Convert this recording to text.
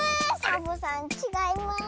サボさんちがいます。